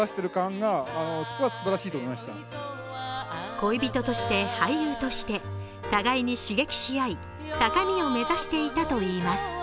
恋人として、俳優として互いに刺激し合い高みを目指していたといいます。